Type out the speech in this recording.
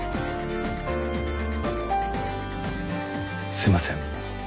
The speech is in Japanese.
すいません。